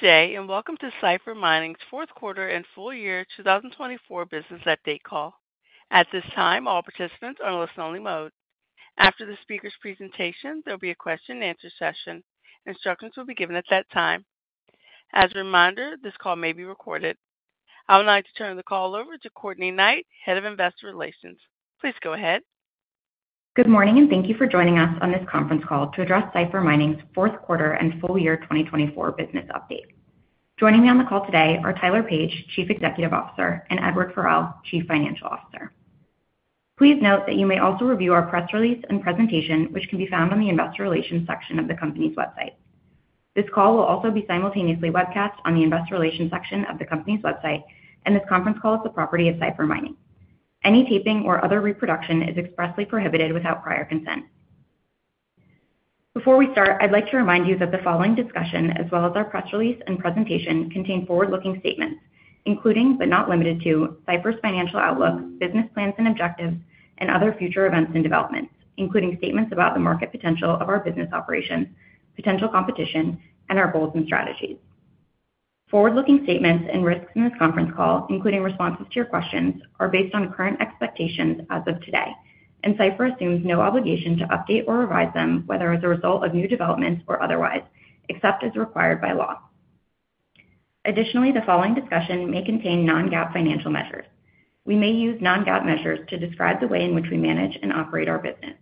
Good day and welcome to Cipher Mining's fourth quarter and full year 2024 business update call. At this time, all participants are in listen-only mode. After the speaker's presentation, there will be a question-and-answer session. Instructions will be given at that time. As a reminder, this call may be recorded. I would like to turn the call over to Courtney Knight, Head of Investor Relations. Please go ahead. Good morning and thank you for joining us on this conference call to address Cipher Mining's fourth quarter and full year 2024 business update. Joining me on the call today are Tyler Page, Chief Executive Officer, and Edward Farrell, Chief Financial Officer. Please note that you may also review our press release and presentation, which can be found on the Investor Relations section of the company's website. This call will also be simultaneously webcast on the Investor Relations section of the company's website, and this conference call is the property of Cipher Mining. Any taping or other reproduction is expressly prohibited without prior consent. Before we start, I'd like to remind you that the following discussion, as well as our press release and presentation, contain forward-looking statements, including but not limited to Cipher's financial outlook, business plans and objectives, and other future events and developments, including statements about the market potential of our business operations, potential competition, and our goals and strategies. Forward-looking statements and risks in this conference call, including responses to your questions, are based on current expectations as of today, and Cipher assumes no obligation to update or revise them, whether as a result of new developments or otherwise, except as required by law. Additionally, the following discussion may contain non-GAAP financial measures. We may use non-GAAP measures to describe the way in which we manage and operate our business.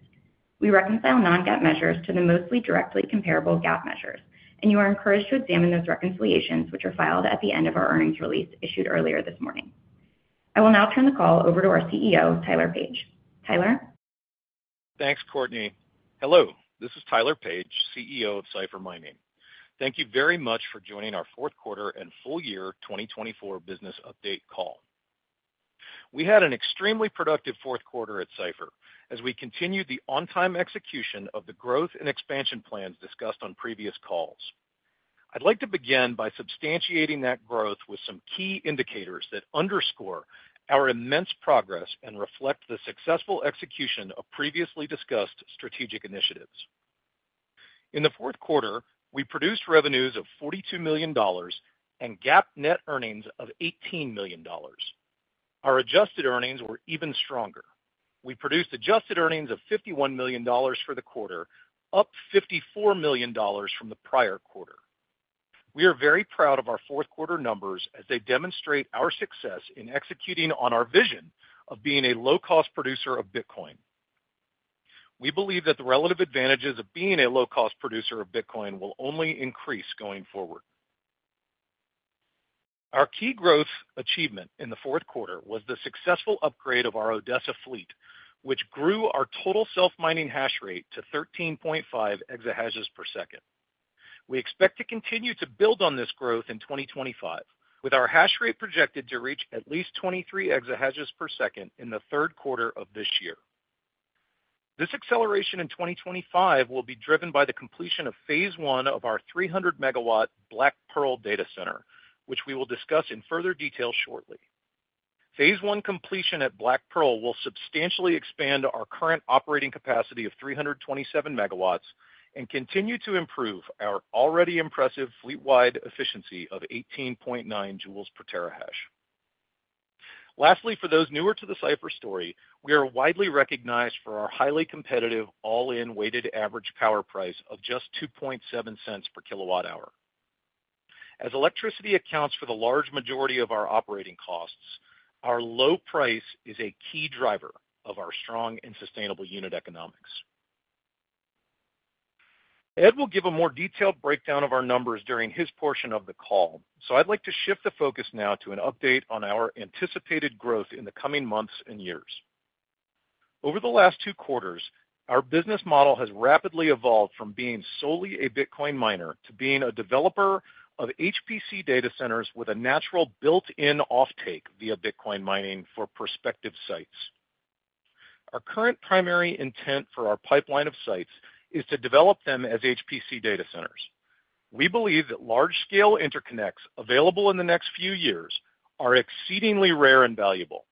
We reconcile non-GAAP measures to the most directly comparable GAAP measures, and you are encouraged to examine those reconciliations, which are filed at the end of our earnings release issued earlier this morning. I will now turn the call over to our CEO, Tyler Page. Tyler. Thanks, Courtney. Hello, this is Tyler Page, CEO of Cipher Mining. Thank you very much for joining our fourth quarter and full year 2024 business update call. We had an extremely productive fourth quarter at Cipher as we continued the on-time execution of the growth and expansion plans discussed on previous calls. I'd like to begin by substantiating that growth with some key indicators that underscore our immense progress and reflect the successful execution of previously discussed strategic initiatives. In the fourth quarter, we produced revenues of $42 million and GAAP net earnings of $18 million. Our adjusted earnings were even stronger. We produced adjusted earnings of $51 million for the quarter, up $54 million from the prior quarter. We are very proud of our fourth quarter numbers as they demonstrate our success in executing on our vision of being a low-cost producer of Bitcoin. We believe that the relative advantages of being a low-cost producer of Bitcoin will only increase going forward. Our key growth achievement in the fourth quarter was the successful upgrade of our Odessa fleet, which grew our total self-mining hash rate to 13.5 EH/s. We expect to continue to build on this growth in 2025, with our hash rate projected to reach at least 23 EH/s in the third quarter of this year. This acceleration in 2025 will be driven by the completion of phase I of our 300 MW Black Pearl data center, which we will discuss in further detail shortly. Phase I completion at Black Pearl will substantially expand our current operating capacity of 327 MW and continue to improve our already impressive fleet-wide efficiency of 18.9 J/TH. Lastly, for those newer to the Cipher story, we are widely recognized for our highly competitive all-in weighted average power price of just $0.027 per kilowatt-hour. As electricity accounts for the large majority of our operating costs, our low price is a key driver of our strong and sustainable unit economics. Ed will give a more detailed breakdown of our numbers during his portion of the call, so I'd like to shift the focus now to an update on our anticipated growth in the coming months and years. Over the last two quarters, our business model has rapidly evolved from being solely a Bitcoin miner to being a developer of HPC data centers with a natural built-in offtake via Bitcoin mining for prospective sites. Our current primary intent for our pipeline of sites is to develop them as HPC data centers. We believe that large-scale interconnects available in the next few years are exceedingly rare and valuable,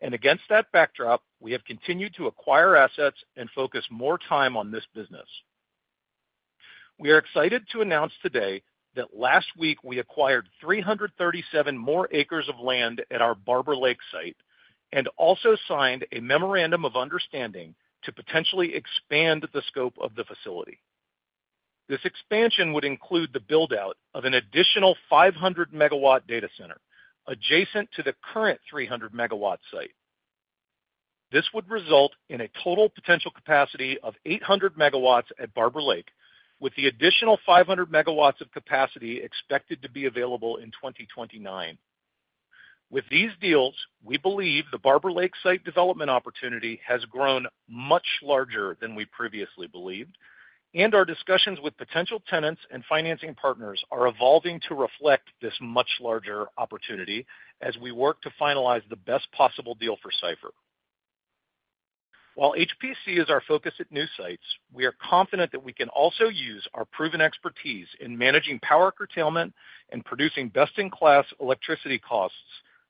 and against that backdrop, we have continued to acquire assets and focus more time on this business. We are excited to announce today that last week we acquired 337 more acres of land at our Barber Lake site and also signed a memorandum of understanding to potentially expand the scope of the facility. This expansion would include the build-out of an additional 500 MW data center adjacent to the current 300 MW site. This would result in a total potential capacity of 800 MW at Barber Lake, with the additional 500 MW of capacity expected to be available in 2029. With these deals, we believe the Barber Lake site development opportunity has grown much larger than we previously believed, and our discussions with potential tenants and financing partners are evolving to reflect this much larger opportunity as we work to finalize the best possible deal for Cipher. While HPC is our focus at new sites, we are confident that we can also use our proven expertise in managing power curtailment and producing best-in-class electricity costs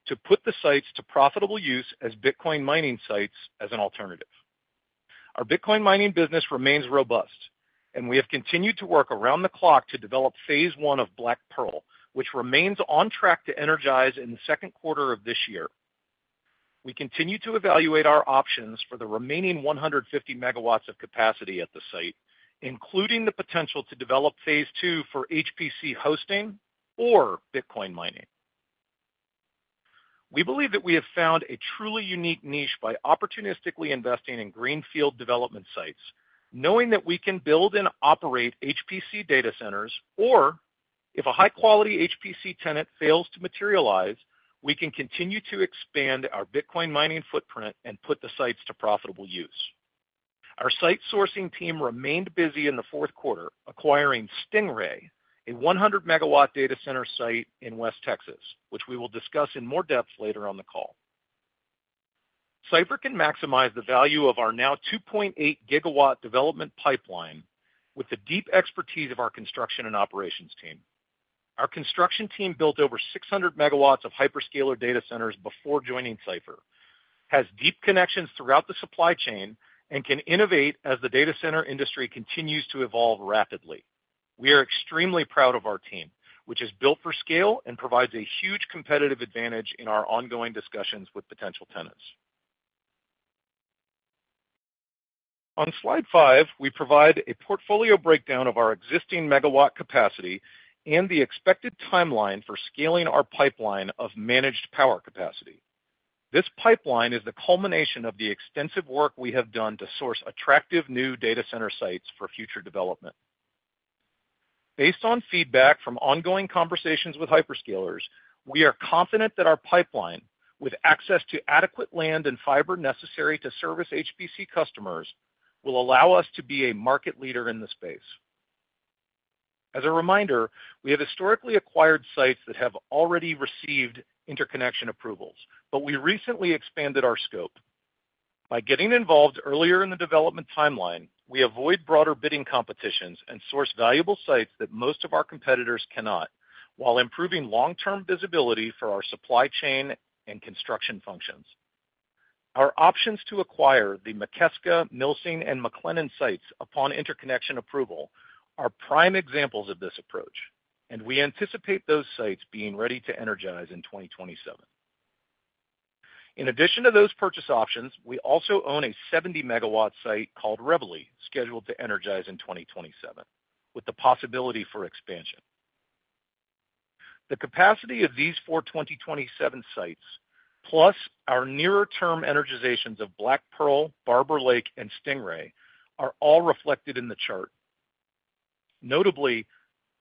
to put the sites to profitable use as Bitcoin mining sites as an alternative. Our Bitcoin mining business remains robust, and we have continued to work around the clock to develop phase I of Black Pearl, which remains on track to energize in the second quarter of this year. We continue to evaluate our options for the remaining 150 MW of capacity at the site, including the potential to develop phase II for HPC hosting or Bitcoin mining. We believe that we have found a truly unique niche by opportunistically investing in greenfield development sites, knowing that we can build and operate HPC data centers, or if a high-quality HPC tenant fails to materialize, we can continue to expand our Bitcoin mining footprint and put the sites to profitable use. Our site sourcing team remained busy in the fourth quarter acquiring Stingray, a 100 MW data center site in West Texas, which we will discuss in more depth later on the call. Cipher can maximize the value of our now 2.8-gigawatt development pipeline with the deep expertise of our construction and operations team. Our construction team built over 600 MW of hyperscaler data centers before joining Cipher, has deep connections throughout the supply chain, and can innovate as the data center industry continues to evolve rapidly. We are extremely proud of our team, which is built for scale and provides a huge competitive advantage in our ongoing discussions with potential tenants. On slide five, we provide a portfolio breakdown of our existing megawatt capacity and the expected timeline for scaling our pipeline of managed power capacity. This pipeline is the culmination of the extensive work we have done to source attractive new data center sites for future development. Based on feedback from ongoing conversations with hyperscalers, we are confident that our pipeline, with access to adequate land and fiber necessary to service HPC customers, will allow us to be a market leader in the space. As a reminder, we have historically acquired sites that have already received interconnection approvals, but we recently expanded our scope. By getting involved earlier in the development timeline, we avoid broader bidding competitions and source valuable sites that most of our competitors cannot, while improving long-term visibility for our supply chain and construction functions. Our options to acquire the Mikeska, Milsing, and McLennan sites upon interconnection approval are prime examples of this approach, and we anticipate those sites being ready to energize in 2027. In addition to those purchase options, we also own a 70 MW site called Reveille, scheduled to energize in 2027, with the possibility for expansion. The capacity of these four 2027 sites, plus our nearer-term energizations of Black Pearl, Barber Lake, and Stingray, are all reflected in the chart. Notably,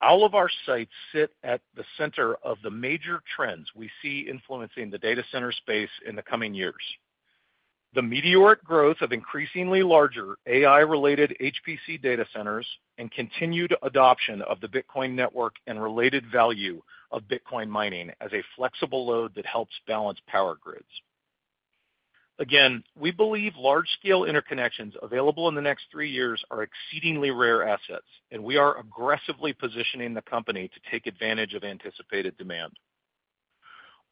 all of our sites sit at the center of the major trends we see influencing the data center space in the coming years: the meteoric growth of increasingly larger AI-related HPC data centers and continued adoption of the Bitcoin network and related value of Bitcoin mining as a flexible load that helps balance power grids. Again, we believe large-scale interconnections available in the next three years are exceedingly rare assets, and we are aggressively positioning the company to take advantage of anticipated demand.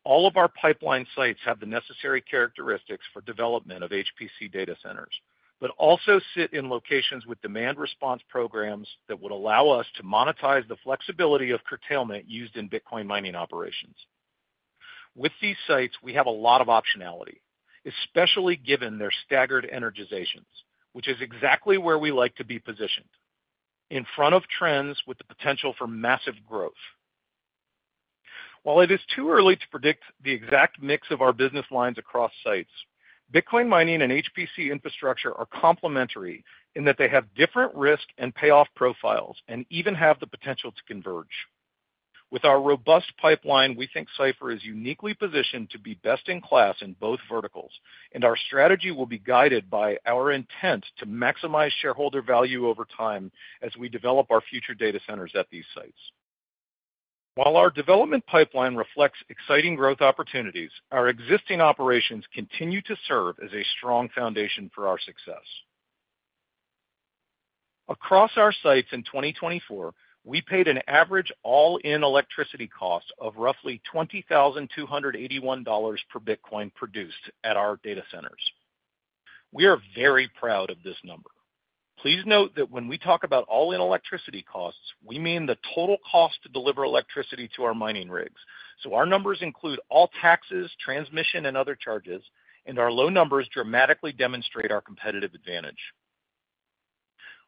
All of our pipeline sites have the necessary characteristics for development of HPC data centers, but also sit in locations with demand response programs that would allow us to monetize the flexibility of curtailment used in Bitcoin mining operations. With these sites, we have a lot of optionality, especially given their staggered energizations, which is exactly where we like to be positioned: in front of trends with the potential for massive growth. While it is too early to predict the exact mix of our business lines across sites, Bitcoin mining and HPC infrastructure are complementary in that they have different risk and payoff profiles and even have the potential to converge. With our robust pipeline, we think Cipher is uniquely positioned to be best in class in both verticals, and our strategy will be guided by our intent to maximize shareholder value over time as we develop our future data centers at these sites. While our development pipeline reflects exciting growth opportunities, our existing operations continue to serve as a strong foundation for our success. Across our sites in 2024, we paid an average all-in electricity cost of roughly $20,281 per Bitcoin produced at our data centers. We are very proud of this number. Please note that when we talk about all-in electricity costs, we mean the total cost to deliver electricity to our mining rigs, so our numbers include all taxes, transmission, and other charges, and our low numbers dramatically demonstrate our competitive advantage.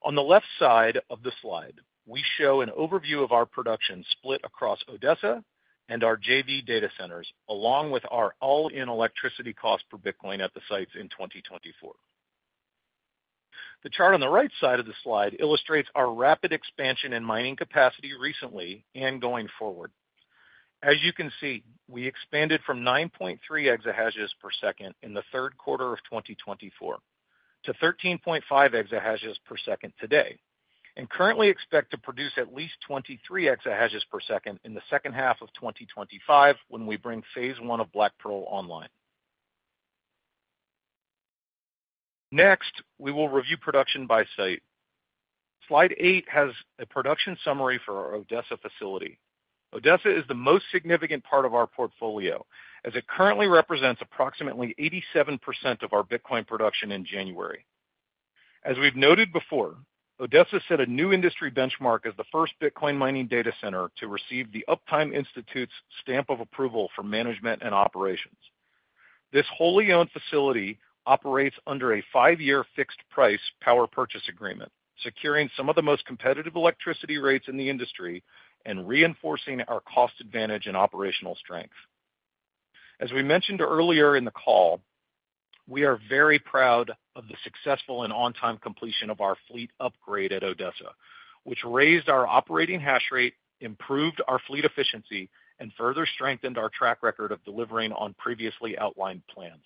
On the left side of the slide, we show an overview of our production split across Odessa and our JV data centers, along with our all-in electricity cost per Bitcoin at the sites in 2024. The chart on the right side of the slide illustrates our rapid expansion in mining capacity recently and going forward. As you can see, we expanded from 9.3 EH/s in the third quarter of 2024 to 13.5 EH/s today, and currently expect to produce at least 23 EH/s in the second half of 2025 when we bring phase I of Black Pearl online. Next, we will review production by site. Slide eight has a production summary for our Odessa facility. Odessa is the most significant part of our portfolio, as it currently represents approximately 87% of our Bitcoin production in January. As we've noted before, Odessa set a new industry benchmark as the first Bitcoin mining data center to receive the Uptime Institute's stamp of approval for management and operations. This wholly owned facility operates under a five-year fixed-price power purchase agreement, securing some of the most competitive electricity rates in the industry and reinforcing our cost advantage and operational strength. As we mentioned earlier in the call, we are very proud of the successful and on-time completion of our fleet upgrade at Odessa, which raised our operating hash rate, improved our fleet efficiency, and further strengthened our track record of delivering on previously outlined plans.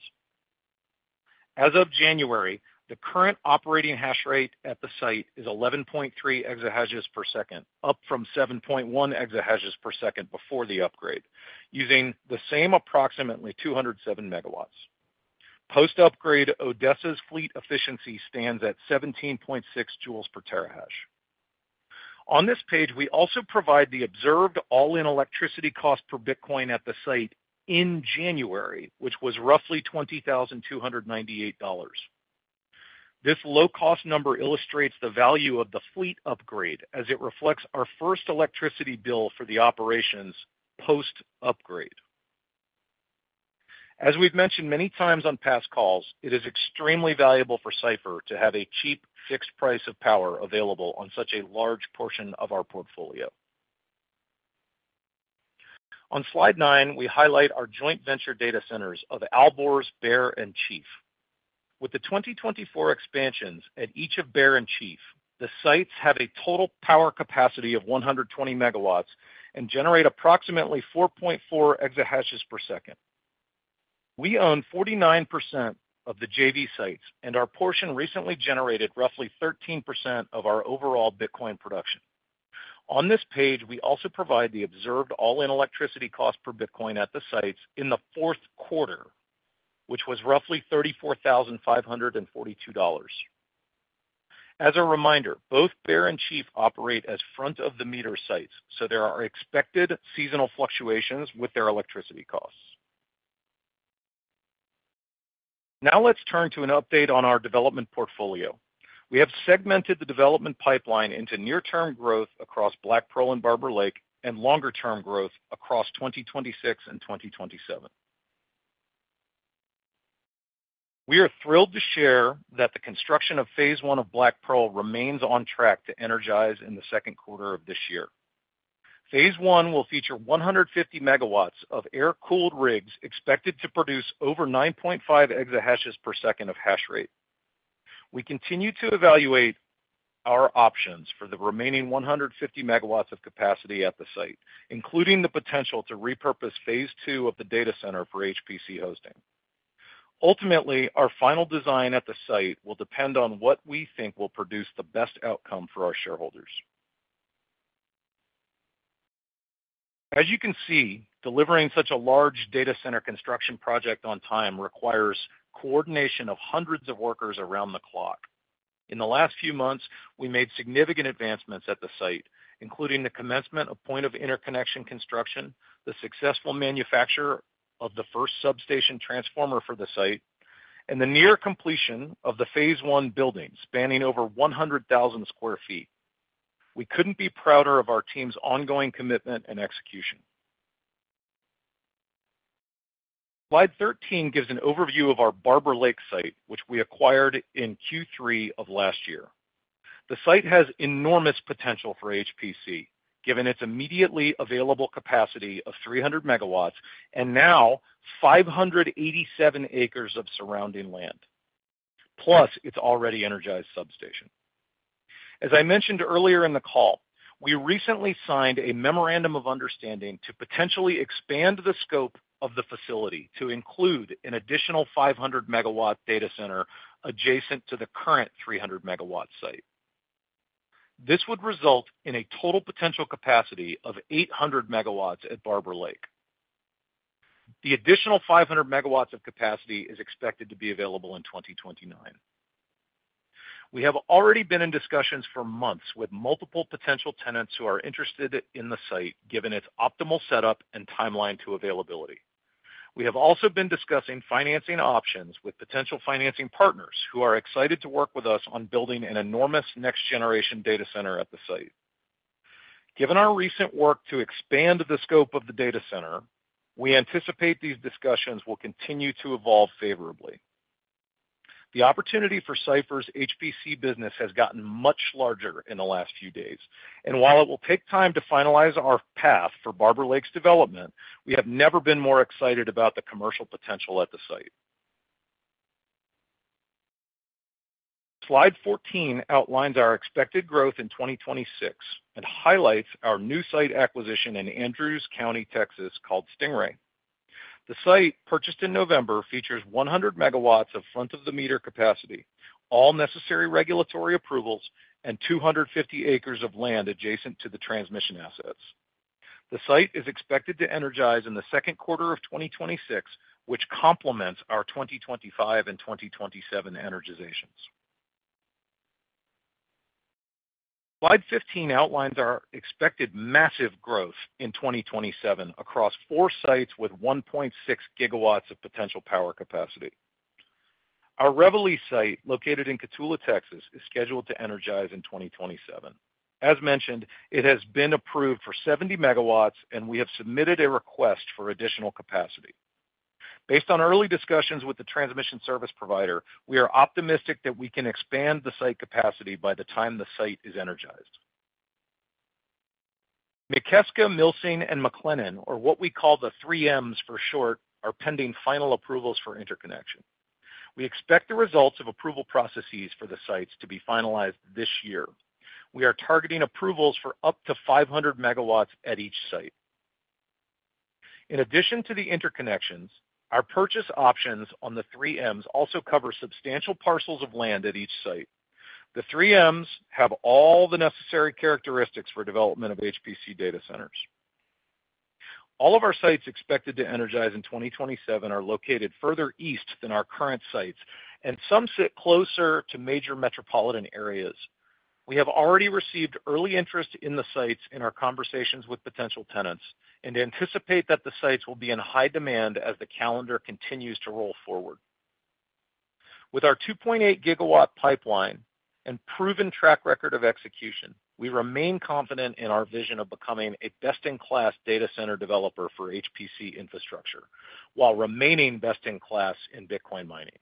As of January, the current operating hash rate at the site is 11.3 EH/s, up from 7.1 EH/s before the upgrade, using the same approximately 207 MW. Post-upgrade, Odessa's fleet efficiency stands at 17.6 joules per terahash. On this page, we also provide the observed all-in electricity cost per Bitcoin at the site in January, which was roughly $20,298. This low-cost number illustrates the value of the fleet upgrade, as it reflects our first electricity bill for the operations post-upgrade. As we've mentioned many times on past calls, it is extremely valuable for Cipher to have a cheap fixed price of power available on such a large portion of our portfolio. On slide nine, we highlight our joint venture data centers of Alborz, Bear, and Chief. With the 2024 expansions at each of Bear and Chief, the sites have a total power capacity of 120 MW and generate approximately 4.4 EH/s. We own 49% of the JV sites, and our portion recently generated roughly 13% of our overall Bitcoin production. On this page, we also provide the observed all-in electricity cost per Bitcoin at the sites in the fourth quarter, which was roughly $34,542. As a reminder, both Bear and Chief operate as front-of-the-meter sites, so there are expected seasonal fluctuations with their electricity costs. Now let's turn to an update on our development portfolio. We have segmented the development pipeline into near-term growth across Black Pearl and Barber Lake and longer-term growth across 2026 and 2027. We are thrilled to share that the construction of phase I of Black Pearl remains on track to energize in the second quarter of this year. Phase I will feature 150 MW of air-cooled rigs expected to produce over 9.5 EH/s of hash rate. We continue to evaluate our options for the remaining 150 MW of capacity at the site, including the potential to repurpose phase II of the data center for HPC hosting. Ultimately, our final design at the site will depend on what we think will produce the best outcome for our shareholders. As you can see, delivering such a large data center construction project on time requires coordination of hundreds of workers around the clock. In the last few months, we made significant advancements at the site, including the commencement of point-of-interconnection construction, the successful manufacture of the first substation transformer for the site, and the near completion of the phase I building spanning over 100,000 sq ft. We couldn't be prouder of our team's ongoing commitment and execution. Slide 13 gives an overview of our Barber Lake site, which we acquired in Q3 of last year. The site has enormous potential for HPC, given its immediately available capacity of 300 MW and now 587 acres of surrounding land, plus its already energized substation. As I mentioned earlier in the call, we recently signed a memorandum of understanding to potentially expand the scope of the facility to include an additional 500 MW data center adjacent to the current 300 MW site. This would result in a total potential capacity of 800 MW at Barber Lake. The additional 500 MW of capacity is expected to be available in 2029. We have already been in discussions for months with multiple potential tenants who are interested in the site, given its optimal setup and timeline to availability. We have also been discussing financing options with potential financing partners who are excited to work with us on building an enormous next-generation data center at the site. Given our recent work to expand the scope of the data center, we anticipate these discussions will continue to evolve favorably. The opportunity for Cipher's HPC business has gotten much larger in the last few days, and while it will take time to finalize our path for Barber Lake's development, we have never been more excited about the commercial potential at the site. Slide 14 outlines our expected growth in 2026 and highlights our new site acquisition in Andrews County, Texas, called Stingray. The site, purchased in November, features 100 MW of front-of-the-meter capacity, all necessary regulatory approvals, and 250 acres of land adjacent to the transmission assets. The site is expected to energize in the second quarter of 2026, which complements our 2025 and 2027 energizations. Slide 15 outlines our expected massive growth in 2027 across four sites with 1.6 GW of potential power capacity. Our Revelle site, located in Cotulla, Texas, is scheduled to energize in 2027. As mentioned, it has been approved for 70 MW, and we have submitted a request for additional capacity. Based on early discussions with the transmission service provider, we are optimistic that we can expand the site capacity by the time the site is energized. Mikeska, Milsing, and McLennan, or what we call the 3Ms for short, are pending final approvals for interconnection. We expect the results of approval processes for the sites to be finalized this year. We are targeting approvals for up to 500 MW at each site. In addition to the interconnections, our purchase options on the 3Ms also cover substantial parcels of land at each site. The 3Ms have all the necessary characteristics for development of HPC data centers. All of our sites expected to energize in 2027 are located further east than our current sites, and some sit closer to major metropolitan areas. We have already received early interest in the sites in our conversations with potential tenants and anticipate that the sites will be in high demand as the calendar continues to roll forward. With our 2.8 gigawatt pipeline and proven track record of execution, we remain confident in our vision of becoming a best-in-class data center developer for HPC infrastructure while remaining best-in-class in Bitcoin mining.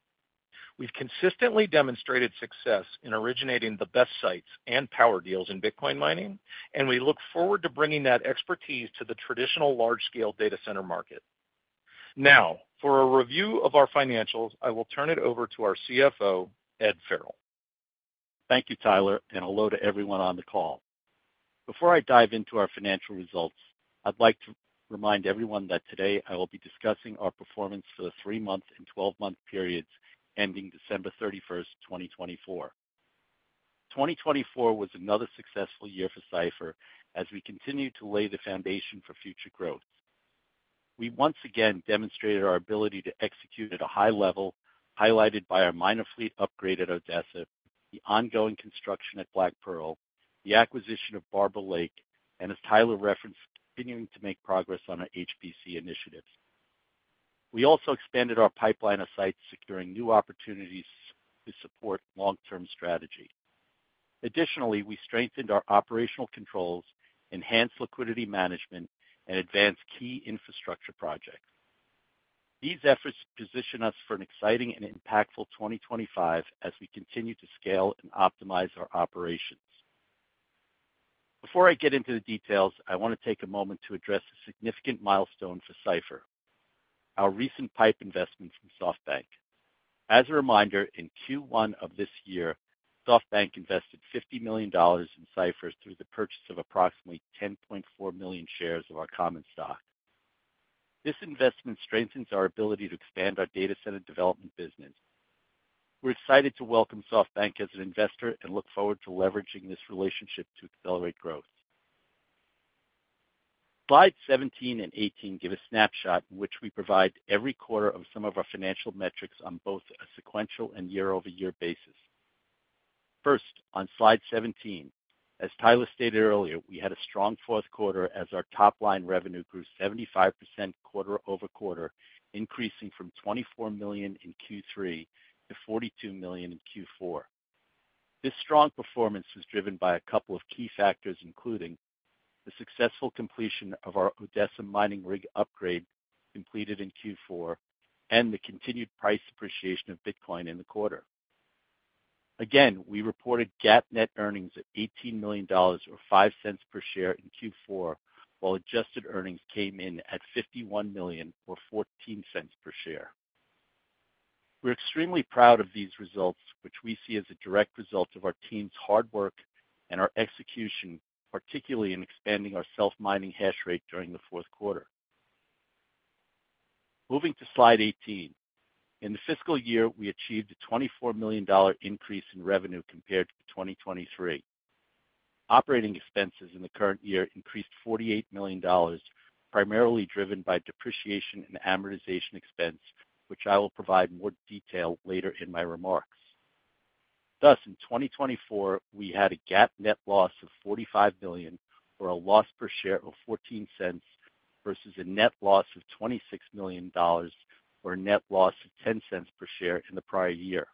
We've consistently demonstrated success in originating the best sites and power deals in Bitcoin mining, and we look forward to bringing that expertise to the traditional large-scale data center market. Now, for a review of our financials, I will turn it over to our CFO, Ed Farrell. Thank you, Tyler, and hello to everyone on the call. Before I dive into our financial results, I'd like to remind everyone that today I will be discussing our performance for the three-month and 12-month periods ending December 31st, 2024. 2024 was another successful year for Cipher as we continue to lay the foundation for future growth. We once again demonstrated our ability to execute at a high level, highlighted by our minor fleet upgrade at Odessa, the ongoing construction at Black Pearl, the acquisition of Barber Lake, and, as Tyler referenced, continuing to make progress on our HPC initiatives. We also expanded our pipeline of sites, securing new opportunities to support long-term strategy. Additionally, we strengthened our operational controls, enhanced liquidity management, and advanced key infrastructure projects. These efforts position us for an exciting and impactful 2025 as we continue to scale and optimize our operations. Before I get into the details, I want to take a moment to address a significant milestone for Cipher: our recent PIPE investment from SoftBank. As a reminder, in Q1 of this year, SoftBank invested $50 million in Cipher through the purchase of approximately 10.4 million shares of our common stock. This investment strengthens our ability to expand our data center development business. We're excited to welcome SoftBank as an investor and look forward to leveraging this relationship to accelerate growth. Slides 17 and 18 give a snapshot in which we provide every quarter of some of our financial metrics on both a sequential and year-over-year basis. First, on slide 17, as Tyler stated earlier, we had a strong fourth quarter as our top-line revenue grew 75% quarter over quarter, increasing from $24 million in Q3 to $42 million in Q4. This strong performance was driven by a couple of key factors, including the successful completion of our Odessa mining rig upgrade completed in Q4 and the continued price appreciation of Bitcoin in the quarter. Again, we reported GAAP net earnings at $18 million, or $0.05 per share, in Q4, while adjusted earnings came in at $51 million, or $0.14 per share. We're extremely proud of these results, which we see as a direct result of our team's hard work and our execution, particularly in expanding our self-mining hash rate during the fourth quarter. Moving to slide 18, in the fiscal year, we achieved a $24 million increase in revenue compared to 2023. Operating expenses in the current year increased $48 million, primarily driven by depreciation and amortization expense, which I will provide more detail later in my remarks. Thus, in 2024, we had a GAAP net loss of $45 million, or a loss per share of $0.14, versus a net loss of $26 million, or a net loss of $0.10 per share in the prior year.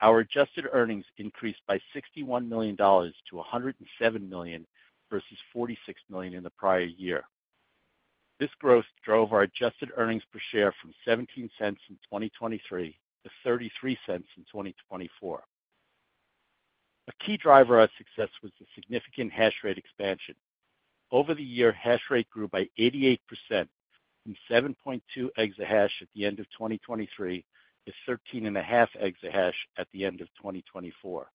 Our adjusted earnings increased by $61 million to $107 million, versus $46 million in the prior year. This growth drove our adjusted earnings per share from $0.17 in 2023 to $0.33 in 2024. A key driver of success was the significant hash rate expansion. Over the year, hash rate grew by 88% from 7.2 exahash at the end of 2023 to 13.5 exahash at the end of 2024.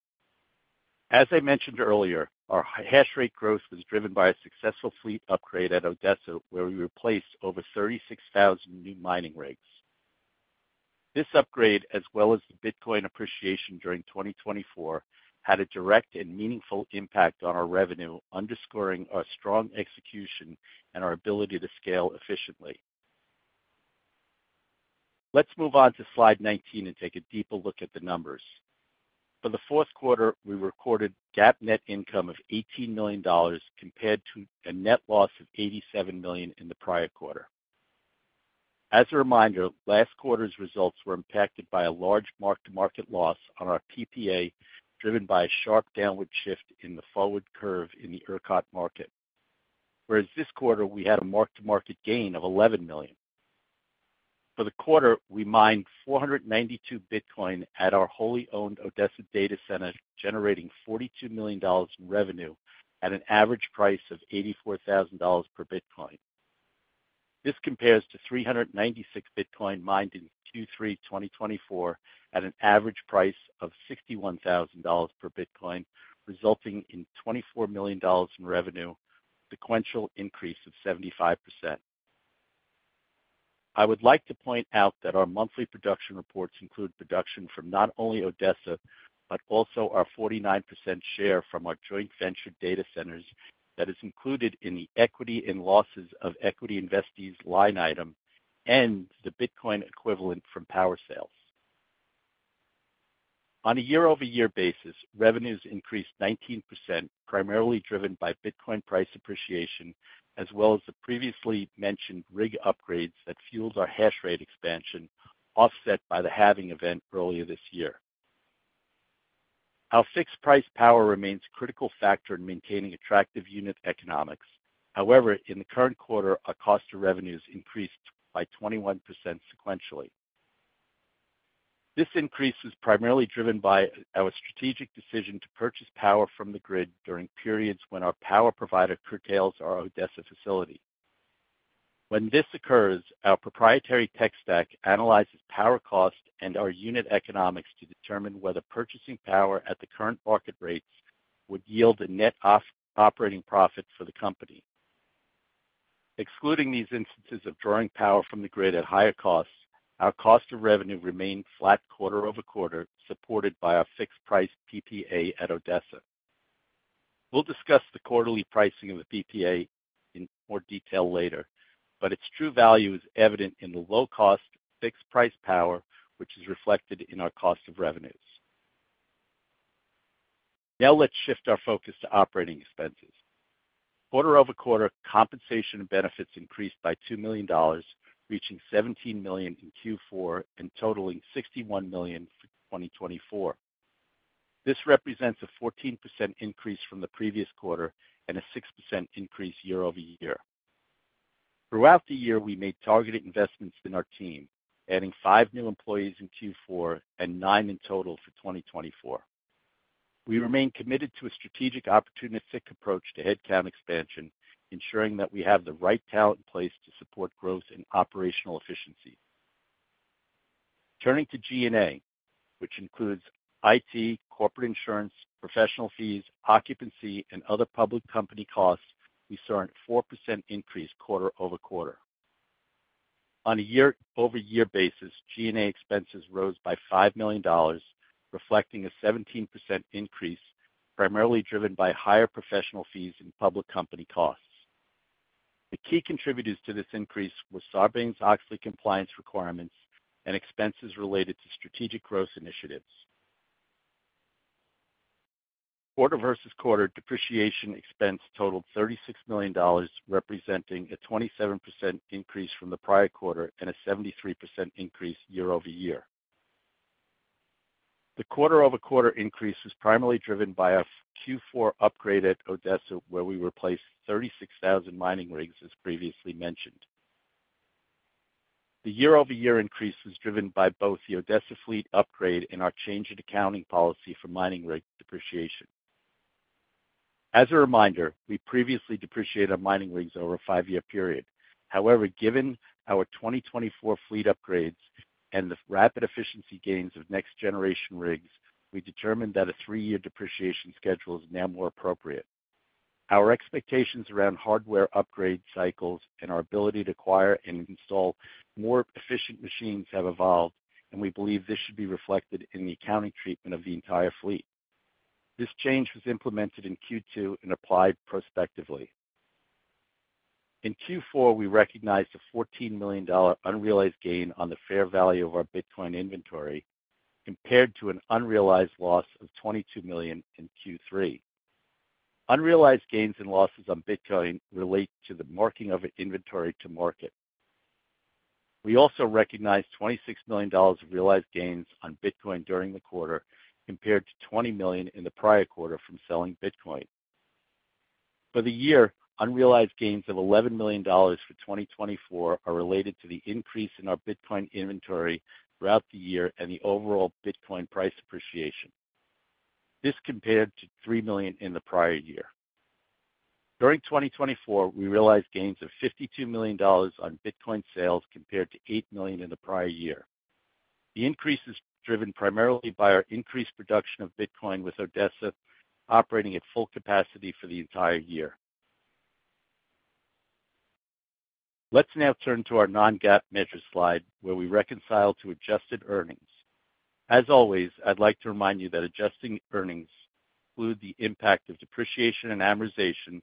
As I mentioned earlier, our hash rate growth was driven by a successful fleet upgrade at Odessa, where we replaced over 36,000 new mining rigs. This upgrade, as well as the Bitcoin appreciation during 2024, had a direct and meaningful impact on our revenue, underscoring our strong execution and our ability to scale efficiently. Let's move on to slide 19 and take a deeper look at the numbers. For the fourth quarter, we recorded GAAP net income of $18 million, compared to a net loss of $87 million in the prior quarter. As a reminder, last quarter's results were impacted by a large mark-to-market loss on our PPA, driven by a sharp downward shift in the forward curve in the ERCOT market. Whereas this quarter, we had a mark-to-market gain of $11 million. For the quarter, we mined 492 Bitcoin at our wholly owned Odessa data center, generating $42 million in revenue at an average price of $84,000 per Bitcoin. This compares to 396 Bitcoin mined in Q3 2024 at an average price of $61,000 per Bitcoin, resulting in $24 million in revenue, a sequential increase of 75%. I would like to point out that our monthly production reports include production from not only Odessa, but also our 49% share from our joint venture data centers that is included in the equity and losses of equity investees line item and the Bitcoin equivalent from Power Sales. On a year-over-year basis, revenues increased 19%, primarily driven by Bitcoin price appreciation, as well as the previously mentioned rig upgrades that fueled our hash rate expansion, offset by the halving event earlier this year. Our fixed price power remains a critical factor in maintaining attractive unit economics. However, in the current quarter, our cost of revenues increased by 21% sequentially. This increase was primarily driven by our strategic decision to purchase power from the grid during periods when our power provider curtails our Odessa facility. When this occurs, our proprietary tech stack analyzes power cost and our unit economics to determine whether purchasing power at the current market rates would yield a net operating profit for the company. Excluding these instances of drawing power from the grid at higher costs, our cost of revenue remained flat quarter over quarter, supported by our fixed price PPA at Odessa. We'll discuss the quarterly pricing of the PPA in more detail later, but its true value is evident in the low-cost fixed price power, which is reflected in our cost of revenues. Now let's shift our focus to operating expenses. Quarter over quarter, compensation and benefits increased by $2 million, reaching $17 million in Q4 and totaling $61 million for 2024. This represents a 14% increase from the previous quarter and a 6% increase year over year. Throughout the year, we made targeted investments in our team, adding five new employees in Q4 and nine in total for 2024. We remain committed to a strategic opportunistic approach to headcount expansion, ensuring that we have the right talent in place to support growth and operational efficiency. Turning to G&A, which includes IT, corporate insurance, professional fees, occupancy, and other public company costs, we saw a 4% increase quarter over quarter. On a year-over-year basis, G&A expenses rose by $5 million, reflecting a 17% increase, primarily driven by higher professional fees and public company costs. The key contributors to this increase were Sarbanes-Oxley compliance requirements and expenses related to strategic growth initiatives. Quarter versus quarter, depreciation expense totaled $36 million, representing a 27% increase from the prior quarter and a 73% increase year over year. The quarter over quarter increase was primarily driven by our Q4 upgrade at Odessa, where we replaced 36,000 mining rigs, as previously mentioned. The year-over-year increase was driven by both the Odessa fleet upgrade and our change in accounting policy for mining rig depreciation. As a reminder, we previously depreciated our mining rigs over a five-year period. However, given our 2024 fleet upgrades and the rapid efficiency gains of next-generation rigs, we determined that a three-year depreciation schedule is now more appropriate. Our expectations around hardware upgrade cycles and our ability to acquire and install more efficient machines have evolved, and we believe this should be reflected in the accounting treatment of the entire fleet. This change was implemented in Q2 and applied prospectively. In Q4, we recognized a $14 million unrealized gain on the fair value of our Bitcoin inventory, compared to an unrealized loss of $22 million in Q3. Unrealized gains and losses on Bitcoin relate to the marking of inventory to market. We also recognized $26 million of realized gains on Bitcoin during the quarter, compared to $20 million in the prior quarter from selling Bitcoin. For the year, unrealized gains of $11 million for 2024 are related to the increase in our Bitcoin inventory throughout the year and the overall Bitcoin price appreciation. This compared to $3 million in the prior year. During 2024, we realized gains of $52 million on Bitcoin sales, compared to $8 million in the prior year. The increase is driven primarily by our increased production of Bitcoin with Odessa operating at full capacity for the entire year. Let's now turn to our non-GAAP measure slide, where we reconcile to adjusted earnings. As always, I'd like to remind you that adjusting earnings includes the impact of depreciation and amortization,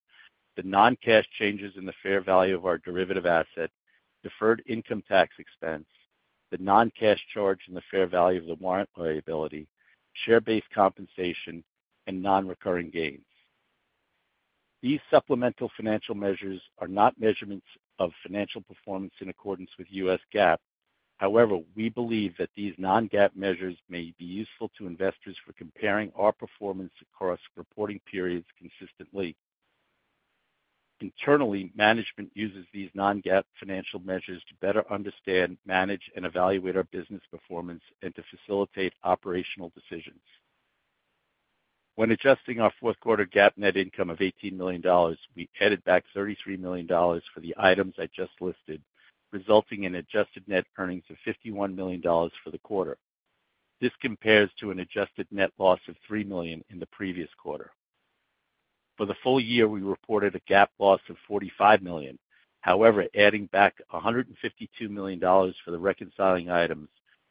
the non-cash changes in the fair value of our derivative asset, deferred income tax expense, the non-cash charge in the fair value of the warrant liability, share-based compensation, and non-recurring gains. These supplemental financial measures are not measurements of financial performance in accordance with U.S. GAAP. However, we believe that these non-GAAP measures may be useful to investors for comparing our performance across reporting periods consistently. Internally, management uses these non-GAAP financial measures to better understand, manage, and evaluate our business performance and to facilitate operational decisions. When adjusting our fourth quarter GAAP net income of $18 million, we added back $33 million for the items I just listed, resulting in adjusted net earnings of $51 million for the quarter. This compares to an adjusted net loss of $3 million in the previous quarter. For the full year, we reported a GAAP loss of $45 million. However, adding back $152 million for the reconciling items,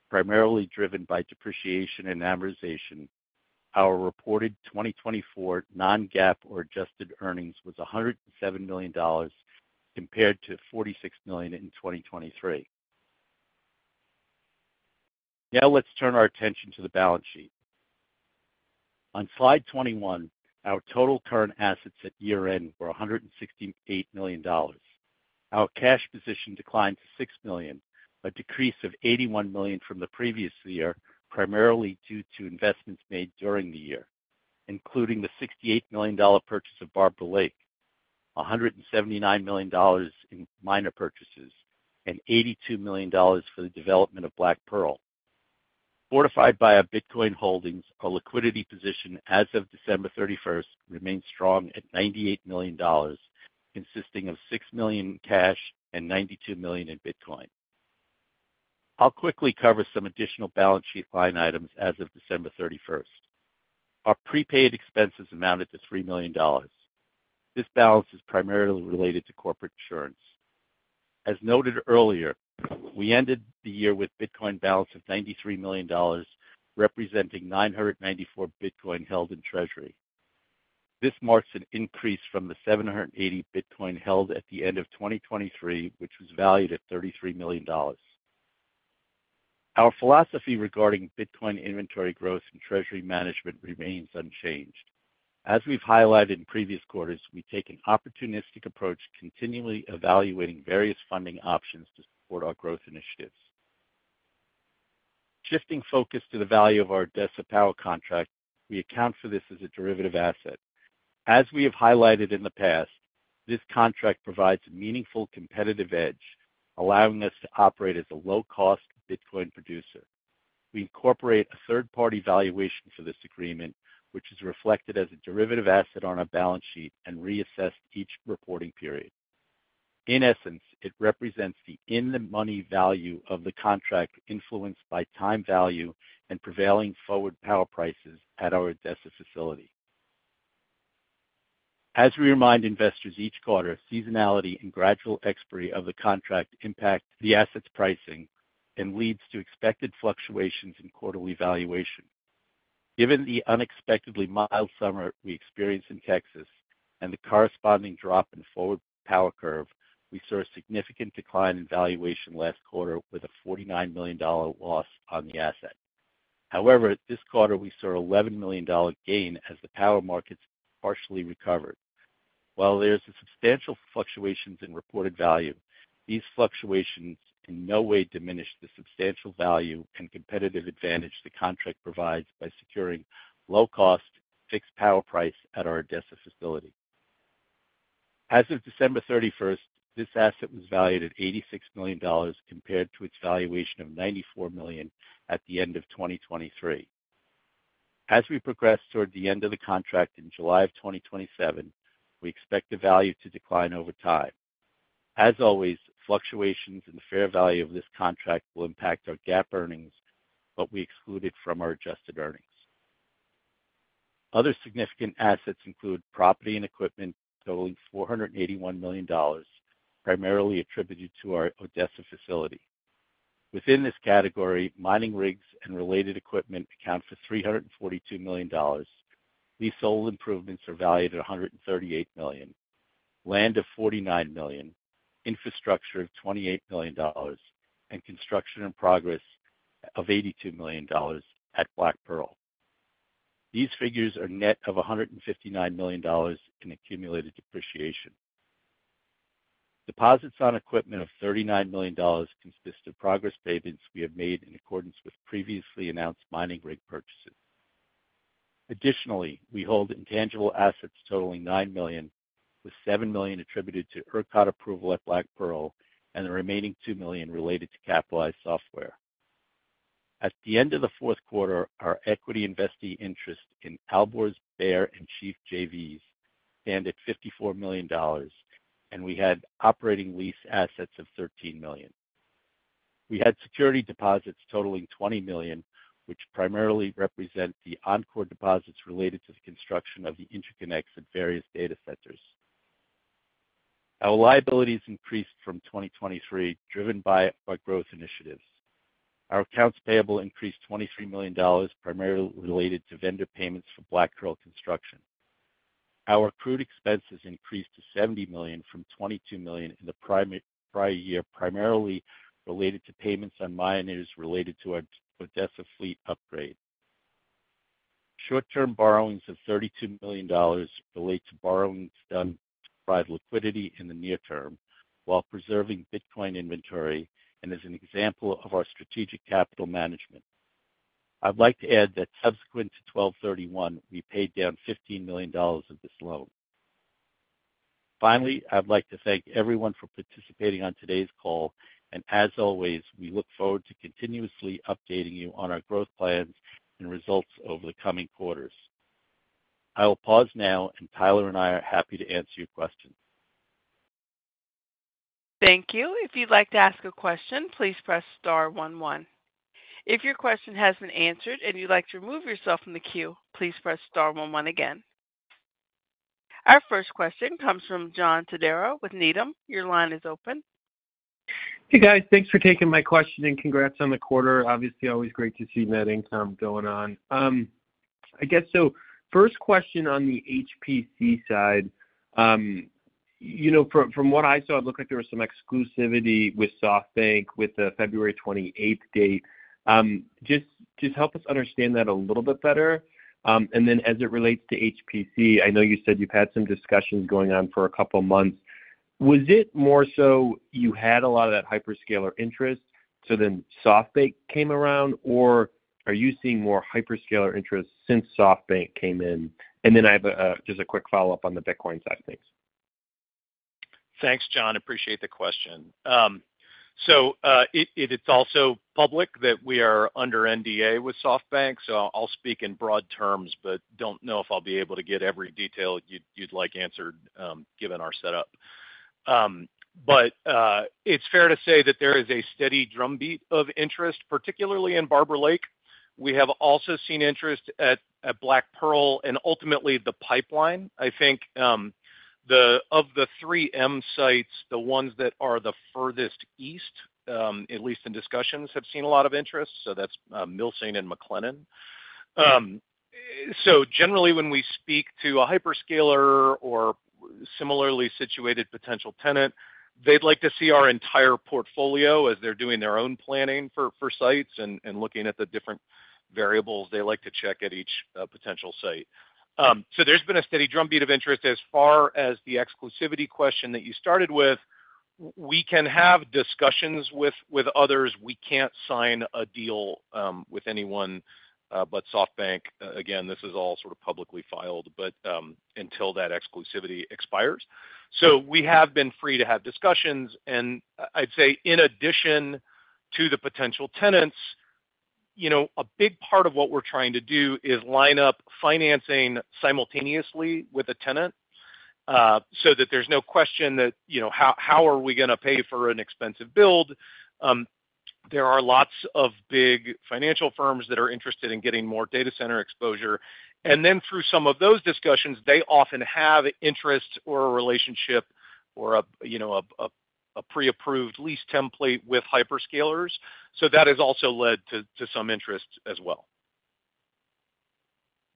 primarily driven by depreciation and amortization, our reported 2024 non-GAAP or adjusted earnings was $107 million, compared to $46 million in 2023. Now let's turn our attention to the balance sheet. On slide 21, our total current assets at year-end were $168 million. Our cash position declined to $6 million, a decrease of $81 million from the previous year, primarily due to investments made during the year, including the $68 million purchase of Barber Lake, $179 million in miner purchases, and $82 million for the development of Black Pearl. Fortified by our Bitcoin holdings, our liquidity position as of December 31 remains strong at $98 million, consisting of $6 million in cash and $92 million in Bitcoin. I'll quickly cover some additional balance sheet line items as of December 31. Our prepaid expenses amounted to $3 million. This balance is primarily related to corporate insurance. As noted earlier, we ended the year with a Bitcoin balance of $93 million, representing 994 Bitcoin held in treasury. This marks an increase from the 780 Bitcoin held at the end of 2023, which was valued at $33 million. Our philosophy regarding Bitcoin inventory growth and treasury management remains unchanged. As we've highlighted in previous quarters, we take an opportunistic approach, continually evaluating various funding options to support our growth initiatives. Shifting focus to the value of our Odessa Power contract, we account for this as a derivative asset. As we have highlighted in the past, this contract provides a meaningful competitive edge, allowing us to operate as a low-cost Bitcoin producer. We incorporate a third-party valuation for this agreement, which is reflected as a derivative asset on our balance sheet and reassessed each reporting period. In essence, it represents the in-the-money value of the contract, influenced by time value and prevailing forward power prices at our Odessa facility. As we remind investors each quarter, seasonality and gradual expiry of the contract impact the asset's pricing and lead to expected fluctuations in quarterly valuation. Given the unexpectedly mild summer we experienced in Texas and the corresponding drop in forward power curve, we saw a significant decline in valuation last quarter with a $49 million loss on the asset. However, this quarter, we saw a $11 million gain as the power markets partially recovered. While there are substantial fluctuations in reported value, these fluctuations in no way diminish the substantial value and competitive advantage the contract provides by securing low-cost fixed power price at our Odessa facility. As of December 31, this asset was valued at $86 million, compared to its valuation of $94 million at the end of 2023. As we progress toward the end of the contract in July of 2027, we expect the value to decline over time. As always, fluctuations in the fair value of this contract will impact our GAAP earnings, but we exclude it from our adjusted earnings. Other significant assets include property and equipment totaling $481 million, primarily attributed to our Odessa facility. Within this category, mining rigs and related equipment account for $342 million. These total improvements are valued at $138 million, land of $49 million, infrastructure of $28 million, and construction in progress of $82 million at Black Pearl. These figures are net of $159 million in accumulated depreciation. Deposits on equipment of $39 million consist of progress payments we have made in accordance with previously announced mining rig purchases. Additionally, we hold intangible assets totaling $9 million, with $7 million attributed to ERCOT approval at Black Pearl and the remaining $2 million related to capitalized software. At the end of the fourth quarter, our equity investee interest in Alborz Bear and Chief JVs stand at $54 million, and we had operating lease assets of $13 million. We had security deposits totaling $20 million, which primarily represent the Oncor deposits related to the construction of the interconnects at various data centers. Our liabilities increased from 2023, driven by our growth initiatives. Our accounts payable increased $23 million, primarily related to vendor payments for Black Pearl construction. Our accrued expenses increased to $70 million from $22 million in the prior year, primarily related to payments on miners related to our Odessa fleet upgrade. Short-term borrowings of $32 million relate to borrowings done to provide liquidity in the near term, while preserving Bitcoin inventory and as an example of our strategic capital management. I'd like to add that subsequent to 12/31, we paid down $15 million of this loan. Finally, I'd like to thank everyone for participating on today's call, and as always, we look forward to continuously updating you on our growth plans and results over the coming quarters. I will pause now, and Tyler and I are happy to answer your questions. Thank you. If you'd like to ask a question, please press star 11. If your question has been answered and you'd like to remove yourself from the queue, please press star 11 again. Our first question comes from John Todaro with Needham. Your line is open. Hey, guys. Thanks for taking my question and congrats on the quarter. Obviously, always great to see net income going on. I guess, so first question on the HPC side, you know from what I saw, it looked like there was some exclusivity with SoftBank with the February 28 date. Just help us understand that a little bit better. And then as it relates to HPC, I know you said you've had some discussions going on for a couple of months. Was it more so you had a lot of that hyperscaler interest so then SoftBank came around, or are you seeing more hyperscaler interest since SoftBank came in? And then I have just a quick follow-up on the Bitcoin side of things. Thanks, John. Appreciate the question. So it's also public that we are under NDA with SoftBank, so I'll speak in broad terms, but don't know if I'll be able to get every detail you'd like answered given our setup. But it's fair to say that there is a steady drumbeat of interest, particularly in Barber Lake. We have also seen interest at Black Pearl and ultimately the pipeline. I think of the three M sites, the ones that are the furthest east, at least in discussions, have seen a lot of interest. So that's Milsing and McLennan. So generally, when we speak to a hyperscaler or similarly situated potential tenant, they'd like to see our entire portfolio as they're doing their own planning for sites and looking at the different variables they like to check at each potential site. So there's been a steady drumbeat of interest. As far as the exclusivity question that you started with, we can have discussions with others. We can't sign a deal with anyone but SoftBank. Again, this is all sort of publicly filed, but until that exclusivity expires. So we have been free to have discussions. And I'd say in addition to the potential tenants, you know a big part of what we're trying to do is line up financing simultaneously with a tenant so that there's no question that, you know how are we going to pay for an expensive build? There are lots of big financial firms that are interested in getting more data center exposure. And then through some of those discussions, they often have interest or a relationship or a pre-approved lease template with hyperscalers. So that has also led to some interest as well.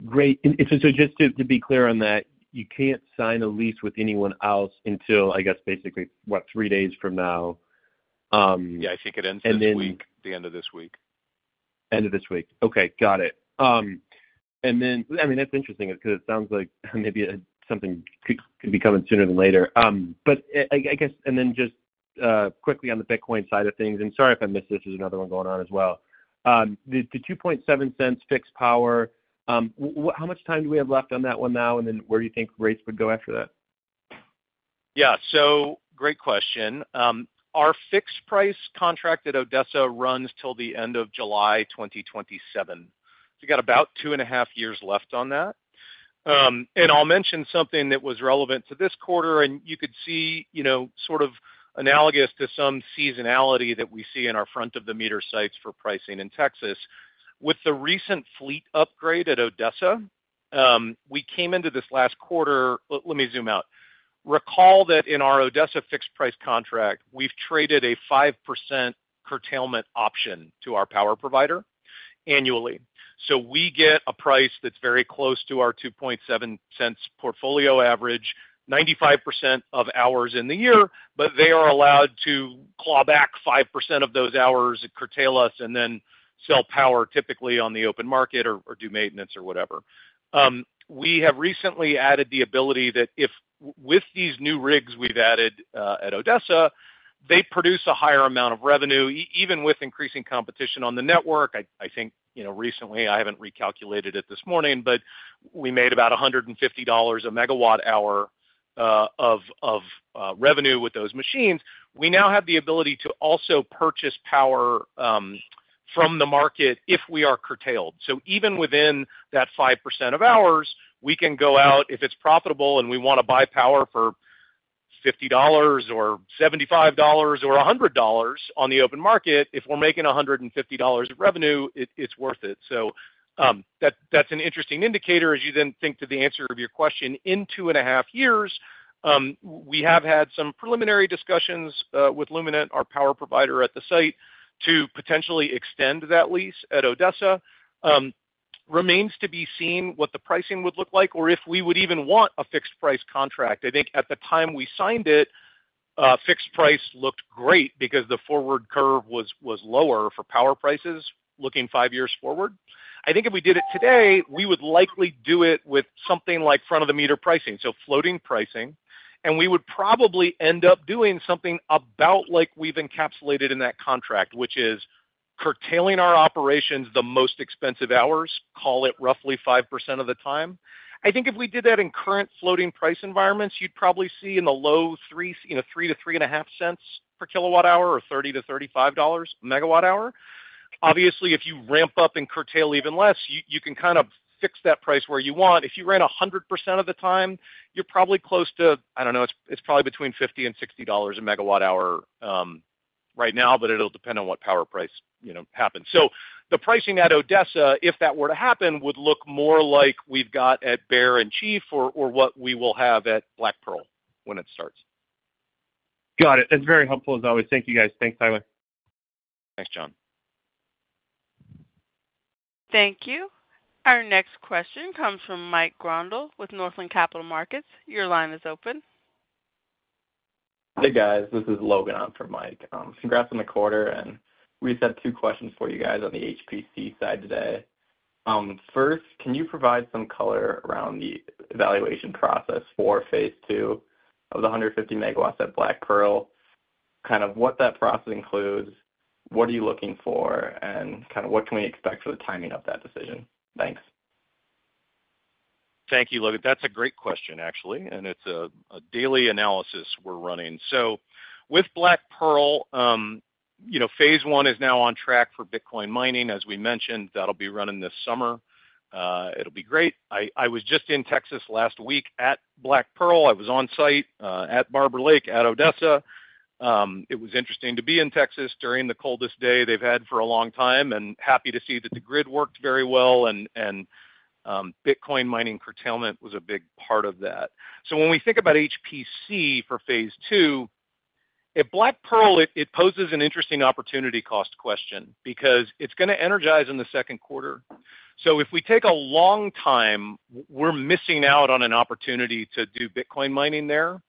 Great, and so just to be clear on that, you can't sign a lease with anyone else until, I guess, basically, what, three days from now? Yeah, I think it ends this week, the end of this week. End of this week. Okay, got it. And then, I mean, that's interesting because it sounds like maybe something could be coming sooner than later. But I guess, and then just quickly on the Bitcoin side of things, and sorry if I missed this as another one going on as well. The $2.7 fixed power, how much time do we have left on that one now? And then where do you think rates would go after that? Yeah, so great question. Our fixed price contract at Odessa runs till the end of July 2027. So we've got about two and a half years left on that. And I'll mention something that was relevant to this quarter, and you could see sort of analogous to some seasonality that we see in our front-of-the-meter sites for pricing in Texas. With the recent fleet upgrade at Odessa, we came into this last quarter. Let me zoom out. Recall that in our Odessa fixed price contract, we've traded a 5% curtailment option to our power provider annually. So we get a price that's very close to our $2.7 portfolio average, 95% of hours in the year, but they are allowed to claw back 5% of those hours and curtail us and then sell power typically on the open market or do maintenance or whatever. We have recently added the ability that if with these new rigs we've added at Odessa, they produce a higher amount of revenue. Even with increasing competition on the network, I think recently, I haven't recalculated it this morning, but we made about $150 a megawatt hour of revenue with those machines. We now have the ability to also purchase power from the market if we are curtailed. So even within that 5% of hours, we can go out if it's profitable and we want to buy power for $50 or $75 or $100 on the open market. If we're making $150 of revenue, it's worth it. So that's an interesting indicator as you then think to the answer of your question. In two and a half years, we have had some preliminary discussions with Luminant, our power provider at the site, to potentially extend that lease at Odessa. Remains to be seen what the pricing would look like or if we would even want a fixed price contract. I think at the time we signed it, fixed price looked great because the forward curve was lower for power prices looking five years forward. I think if we did it today, we would likely do it with something like front-of-the-meter pricing, so floating pricing, and we would probably end up doing something about like we've encapsulated in that contract, which is curtailing our operations the most expensive hours, call it roughly 5% of the time. I think if we did that in current floating price environments, you'd probably see in the low $0.03-$0.035 per kilowatt hour or $30-$35 a megawatt hour. Obviously, if you ramp up and curtail even less, you can kind of fix that price where you want. If you ran 100% of the time, you're probably close to, I don't know, it's probably between $50 and $60 a megawatt hour right now, but it'll depend on what power price happens. So the pricing at Odessa, if that were to happen, would look more like we've got at Bear and Chief or what we will have at Black Pearl when it starts. Got it. That's very helpful, as always. Thank you, guys. Thanks, Tyler. Thanks, John. Thank you. Our next question comes from Mike Grondahl with Northland Capital Markets. Your line is open. Hey, guys. This is Logan on for Mike. Congrats on the quarter, and we just have two questions for you guys on the HPC side today. First, can you provide some color around the evaluation process for phase II of the 150 MW at Black Pearl? Kind of what that process includes, what are you looking for, and kind of what can we expect for the timing of that decision? Thanks. Thank you, Logan. That's a great question, actually, and it's a daily analysis we're running. So with Black Pearl, phase I is now on track for Bitcoin mining, as we mentioned. That'll be running this summer. It'll be great. I was just in Texas last week at Black Pearl. I was on site at Barber Lake at Odessa. It was interesting to be in Texas during the coldest day they've had for a long time, and happy to see that the grid worked very well and Bitcoin mining curtailment was a big part of that. So when we think about HPC for phase II, at Black Pearl, it poses an interesting opportunity cost question because it's going to energize in the second quarter. So if we take a long time, we're missing out on an opportunity to do Bitcoin mining there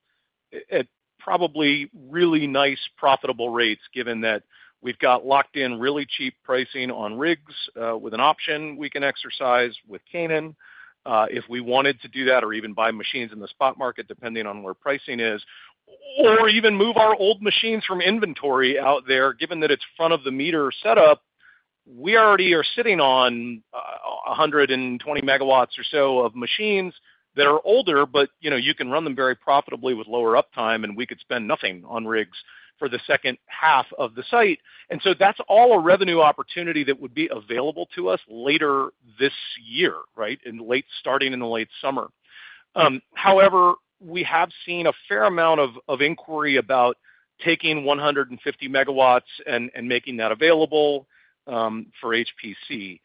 at probably really nice profitable rates, given that we've got locked in really cheap pricing on rigs with an option we can exercise with Canaan if we wanted to do that or even buy machines in the spot market, depending on where pricing is, or even move our old machines from inventory out there. Given that it's front-of-the-meter setup, we already are sitting on 120 MW or so of machines that are older, but you can run them very profitably with lower uptime, and we could spend nothing on rigs for the second half of the site. And so that's all a revenue opportunity that would be available to us later this year, right, starting in the late summer. However, we have seen a fair amount of inquiry about taking 150 MW and making that available for HPC.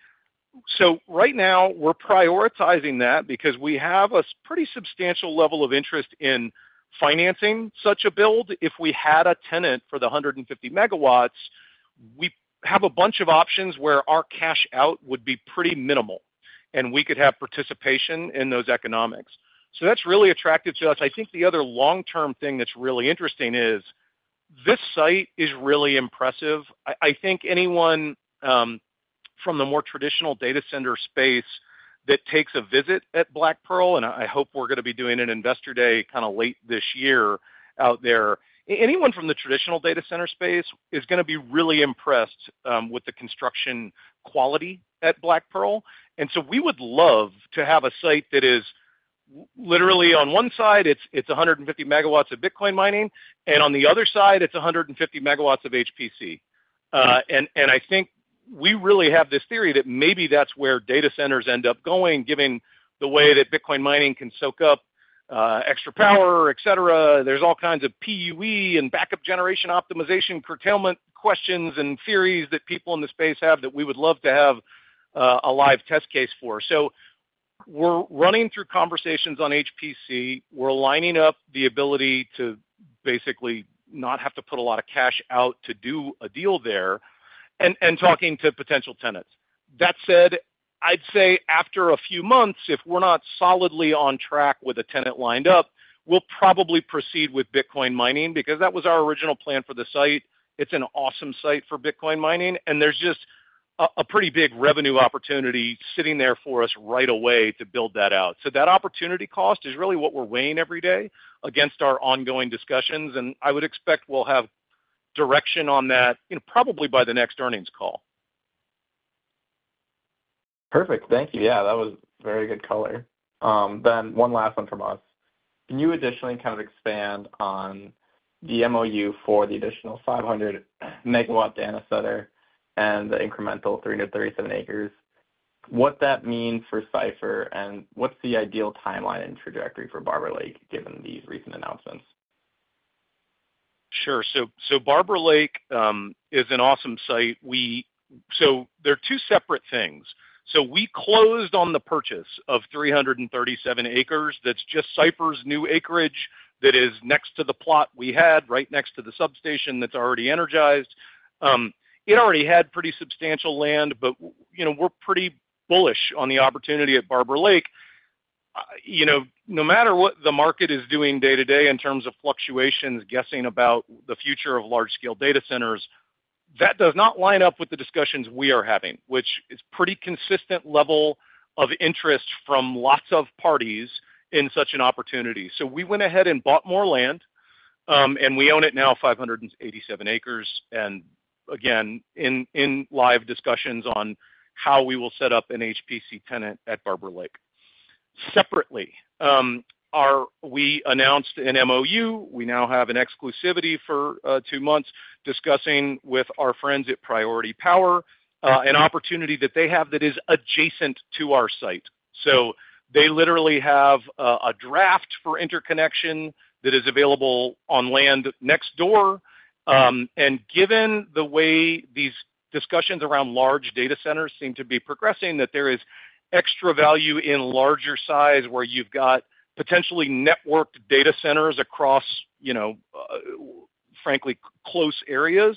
So right now, we're prioritizing that because we have a pretty substantial level of interest in financing such a build. If we had a tenant for the 150 MW, we have a bunch of options where our cash out would be pretty minimal, and we could have participation in those economics. So that's really attractive to us. I think the other long-term thing that's really interesting is this site is really impressive. I think anyone from the more traditional data center space that takes a visit at Black Pearl, and I hope we're going to be doing an investor day kind of late this year out there, anyone from the traditional data center space is going to be really impressed with the construction quality at Black Pearl. And so we would love to have a site that is literally on one side, it's 150 MW of Bitcoin mining, and on the other side, it's 150 MW of HPC. And I think we really have this theory that maybe that's where data centers end up going, given the way that Bitcoin mining can soak up extra power, et cetera. There's all kinds of PUE and backup generation optimization curtailment questions and theories that people in the space have that we would love to have a live test case for. So we're running through conversations on HPC. We're lining up the ability to basically not have to put a lot of cash out to do a deal there and talking to potential tenants. That said, I'd say after a few months, if we're not solidly on track with a tenant lined up, we'll probably proceed with Bitcoin mining because that was our original plan for the site. It's an awesome site for Bitcoin mining, and there's just a pretty big revenue opportunity sitting there for us right away to build that out. So that opportunity cost is really what we're weighing every day against our ongoing discussions, and I would expect we'll have direction on that probably by the next earnings call. Perfect. Thank you. Yeah, that was very good color. Then one last one from us. Can you additionally kind of expand on the MOU for the additional 500 MW data center and the incremental 337 acres? What does that mean for Cipher, and what's the ideal timeline and trajectory for Barber Lake given these recent announcements? Sure. So, Barber Lake is an awesome site. So they're two separate things. So we closed on the purchase of 337 acres. That's just Cipher's new acreage that is next to the plot we had, right next to the substation that's already energized. It already had pretty substantial land, but we're pretty bullish on the opportunity at Barber Lake. No matter what the market is doing day-to-day in terms of fluctuations, guessing about the future of large-scale data centers, that does not line up with the discussions we are having, which is a pretty consistent level of interest from lots of parties in such an opportunity. So we went ahead and bought more land, and we own it now, 587 acres, and again, in live discussions on how we will set up an HPC tenant at Barber Lake. Separately, we announced an MOU. We now have an exclusivity for two months discussing with our friends at Priority Power an opportunity that they have that is adjacent to our site. So they literally have a draft for interconnection that is available on land next door, and given the way these discussions around large data centers seem to be progressing, that there is extra value in larger size where you've got potentially networked data centers across, frankly, close areas,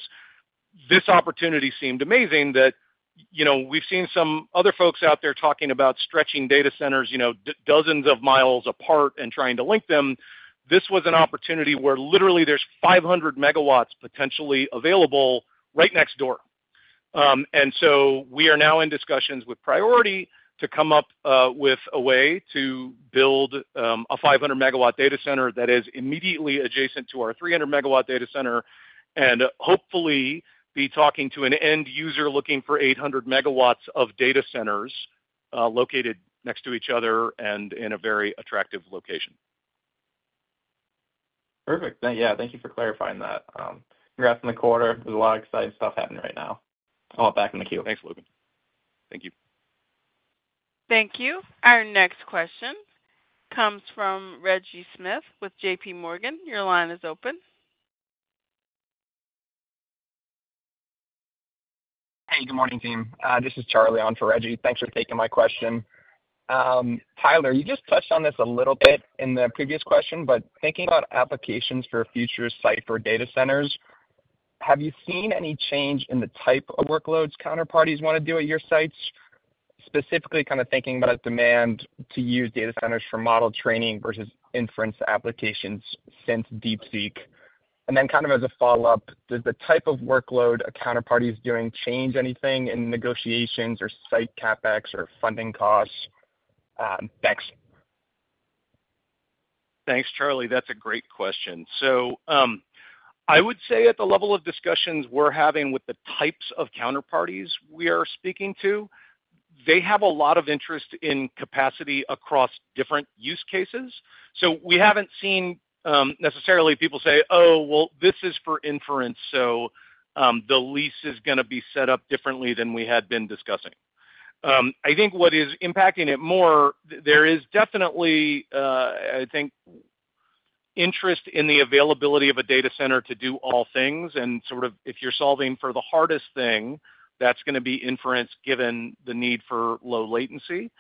this opportunity seemed amazing that we've seen some other folks out there talking about stretching data centers dozens of miles apart and trying to link them. This was an opportunity where literally there's 500 MW potentially available right next door. We are now in discussions with Priority to come up with a way to build a 500MW data center that is immediately adjacent to our 300 MW data center and hopefully be talking to an end user looking for 800 MW of data centers located next to each other and in a very attractive location. Perfect. Yeah, thank you for clarifying that. Congrats on the quarter. There's a lot of exciting stuff happening right now. I'll walk back in the queue. Thanks, Logan. Thank you. Thank you. Our next question comes from Reggie Smith with J.P. Morgan. Your line is open. Hey, good morning, team. This is Charlie on for Reggie. Thanks for taking my question. Tyler, you just touched on this a little bit in the previous question, but thinking about applications for future Cipher data centers, have you seen any change in the type of workloads counterparties want to do at your sites? Specifically, kind of thinking about demand to use data centers for model training versus inference applications since DeepSeek. And then kind of as a follow-up, does the type of workload a counterparty is doing change anything in negotiations or site CapEx or funding costs? Thanks. Thanks, Charlie. That's a great question. So I would say at the level of discussions we're having with the types of counterparties we are speaking to, they have a lot of interest in capacity across different use cases. So we haven't seen necessarily people say, "Oh, well, this is for inference, so the lease is going to be set up differently than we had been discussing." I think what is impacting it more, there is definitely, I think, interest in the availability of a data center to do all things. And sort of if you're solving for the hardest thing, that's going to be inference given the need for low latency.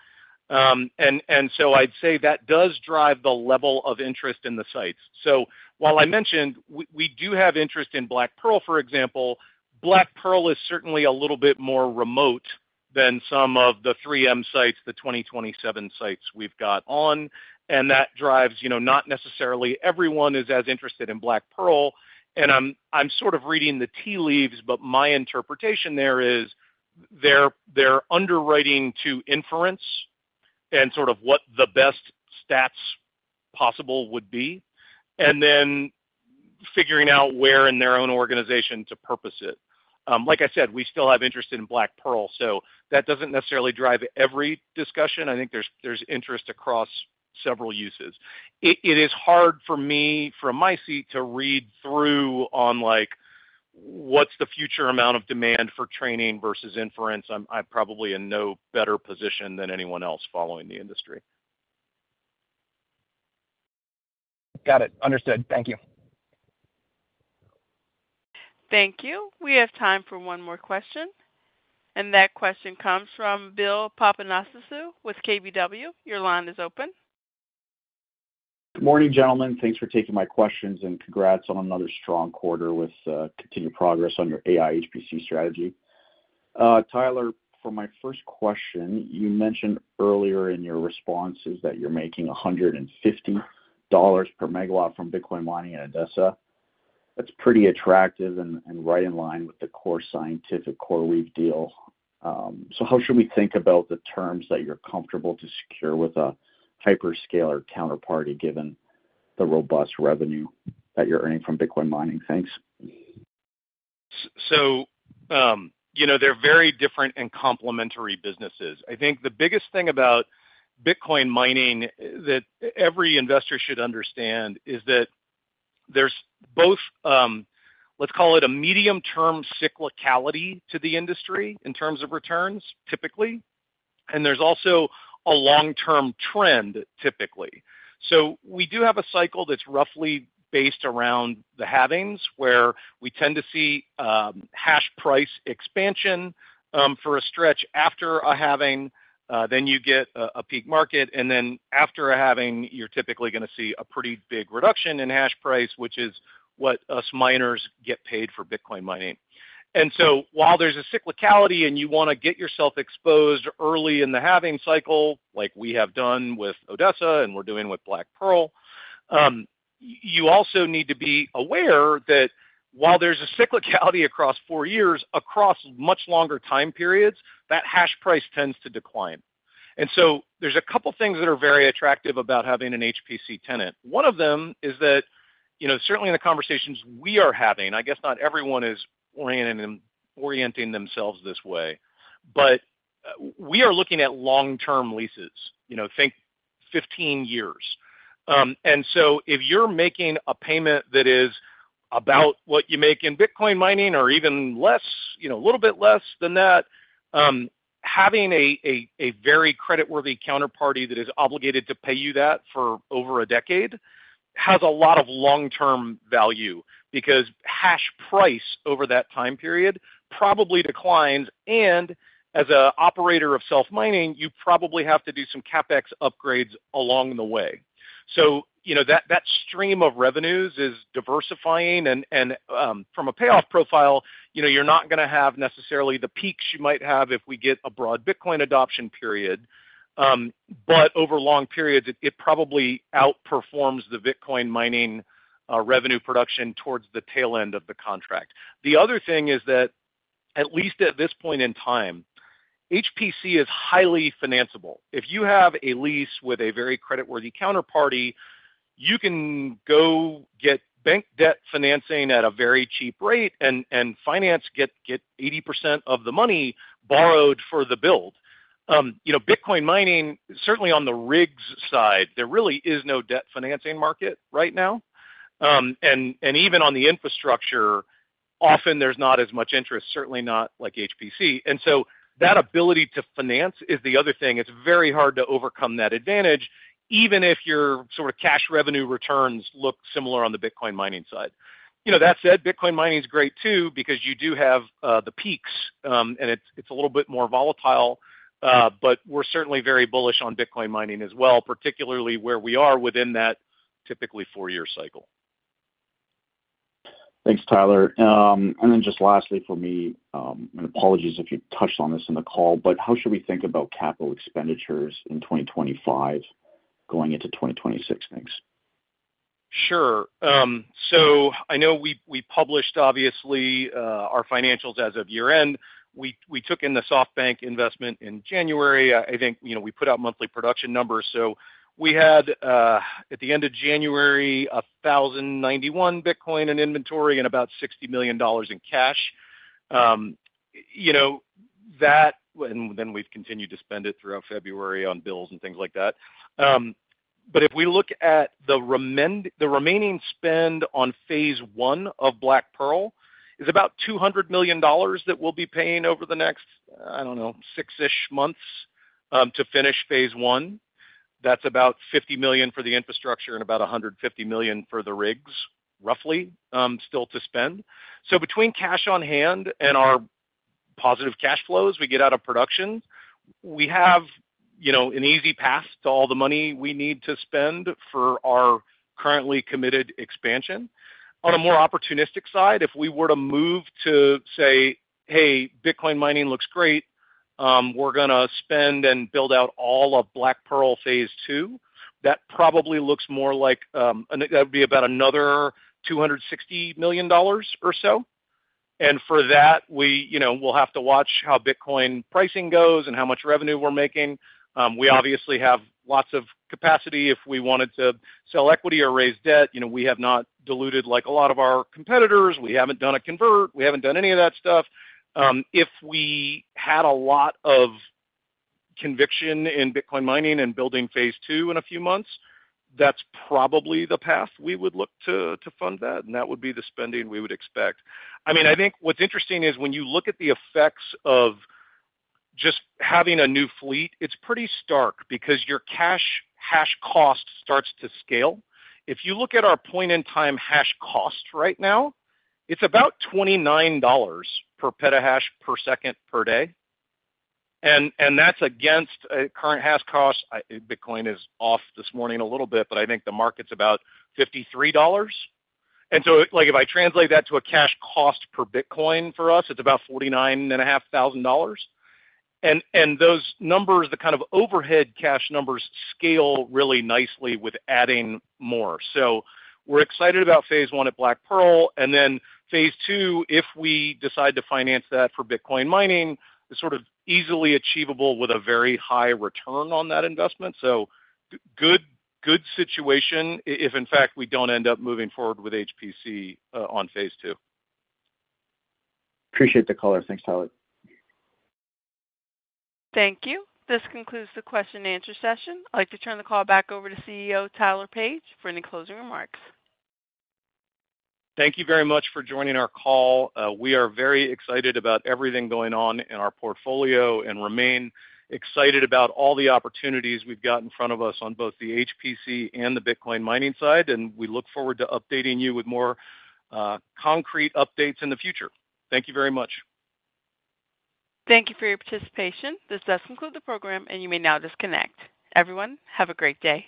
And so I'd say that does drive the level of interest in the sites. So, while I mentioned we do have interest in Black Pearl, for example, Black Pearl is certainly a little bit more remote than some of the 3M sites, the 2027 sites we've got on. And that drives not necessarily everyone is as interested in Black Pearl. And I'm sort of reading the tea leaves, but my interpretation there is they're underwriting to inference and sort of what the best stats possible would be and then figuring out where in their own organization to purpose it. Like I said, we still have interest in Black Pearl. So that doesn't necessarily drive every discussion. I think there's interest across several uses. It is hard for me from my seat to read through on what's the future amount of demand for training versus inference. I'm probably in no better position than anyone else following the industry. Got it. Understood. Thank you. Thank you. We have time for one more question, and that question comes from Bill Papanastasiou with KBW. Your line is open. Good morning, gentlemen. Thanks for taking my questions and congrats on another strong quarter with continued progress on your AI HPC strategy. Tyler, for my first question, you mentioned earlier in your responses that you're making $150 per megawatt from Bitcoin mining at Odessa. That's pretty attractive and right in line with the Core Scientific deal we've dealt. So how should we think about the terms that you're comfortable to secure with a hyperscaler counterparty given the robust revenue that you're earning from Bitcoin mining? Thanks. So they're very different and complementary businesses. I think the biggest thing about Bitcoin mining that every investor should understand is that there's both, let's call it a medium-term cyclicality to the industry in terms of returns, typically, and there's also a long-term trend, typically. So we do have a cycle that's roughly based around the halvings where we tend to see hash price expansion for a stretch after a halving. Then you get a peak market, and then after a halving, you're typically going to see a pretty big reduction in hash price, which is what us miners get paid for Bitcoin mining. And so while there's a cyclicality and you want to get yourself exposed early in the halving cycle, like we have done with Odessa and we're doing with Black Pearl, you also need to be aware that while there's a cyclicality across four years, across much longer time periods, that hash price tends to decline. And so there's a couple of things that are very attractive about having an HPC tenant. One of them is that certainly in the conversations we are having, I guess not everyone is orienting themselves this way, but we are looking at long-term leases. Think 15 years. And so if you're making a payment that is about what you make in Bitcoin mining or even less, a little bit less than that, having a very creditworthy counterparty that is obligated to pay you that for over a decade has a lot of long-term value because hash price over that time period probably declines. And as an operator of self-mining, you probably have to do some CapEx upgrades along the way. So that stream of revenues is diversifying. And from a payoff profile, you're not going to have necessarily the peaks you might have if we get a broad Bitcoin adoption period. But over long periods, it probably outperforms the Bitcoin mining revenue production towards the tail end of the contract. The other thing is that at least at this point in time, HPC is highly financeable. If you have a lease with a very creditworthy counterparty, you can go get bank debt financing at a very cheap rate and finance, get 80% of the money borrowed for the build. Bitcoin mining, certainly on the rigs side, there really is no debt financing market right now, and even on the infrastructure, often there's not as much interest, certainly not like HPC, and so that ability to finance is the other thing. It's very hard to overcome that advantage, even if your sort of cash revenue returns look similar on the Bitcoin mining side. That said, Bitcoin mining is great too because you do have the peaks, and it's a little bit more volatile, but we're certainly very bullish on Bitcoin mining as well, particularly where we are within that typically four-year cycle. Thanks, Tyler. And then just lastly for me, and apologies if you touched on this in the call, but how should we think about capital expenditures in 2025 going into 2026? Thanks. Sure. I know we published, obviously, our financials as of year-end. We took in the SoftBank investment in January. I think we put out monthly production numbers, so we had, at the end of January, 1,091 Bitcoin in inventory and about $60 million in cash, that and then we've continued to spend it throughout February on bills and things like that, but if we look at the remaining spend on phase I of Black Pearl, it's about $200 million that we'll be paying over the next, I don't know, six-ish months to finish phase I. That's about $50 million for the infrastructure and about $150 million for the rigs, roughly, still to spend, so between cash on hand and our positive cash flows we get out of production, we have an easy path to all the money we need to spend for our currently committed expansion. On a more opportunistic side, if we were to move to say, "Hey, Bitcoin mining looks great. We're going to spend and build out all of Black Pearl phase II," that probably looks more like that would be about another $260 million or so. And for that, we'll have to watch how Bitcoin pricing goes and how much revenue we're making. We obviously have lots of capacity if we wanted to sell equity or raise debt. We have not diluted like a lot of our competitors. We haven't done a convert. We haven't done any of that stuff. If we had a lot of conviction in Bitcoin mining and building phase II in a few months, that's probably the path we would look to fund that. And that would be the spending we would expect. I mean, I think what's interesting is when you look at the effects of just having a new fleet, it's pretty stark because your cash hash cost starts to scale. If you look at our point-in-time hash cost right now, it's about $29 per petahash per second per day, and that's against current hash cost. Bitcoin is off this morning a little bit, but I think the market's about $53, and so if I translate that to a cash cost per Bitcoin for us, it's about $49,500, and those numbers, the kind of overhead cash numbers scale really nicely with adding more, so we're excited about phase I at Black Pearl, and then phase II, if we decide to finance that for Bitcoin mining, it's sort of easily achievable with a very high return on that investment. So, good situation if, in fact, we don't end up moving forward with HPC on phase II. Appreciate the color. Thanks, Tyler. Thank you. This concludes the question-and-answer session. I'd like to turn the call back over to CEO Tyler Page for any closing remarks. Thank you very much for joining our call. We are very excited about everything going on in our portfolio and remain excited about all the opportunities we've got in front of us on both the HPC and the Bitcoin mining side, and we look forward to updating you with more concrete updates in the future. Thank you very much. Thank you for your participation. This does conclude the program, and you may now disconnect. Everyone, have a great day.